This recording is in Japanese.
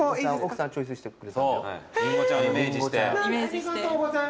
ありがとうございます。